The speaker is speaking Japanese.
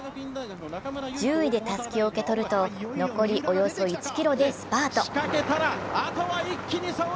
１０位でたすきを受け取ると、残りおよそ１ｋｍでスパート。